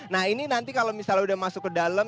nah ini nanti kalau misalnya udah masuk ke dalam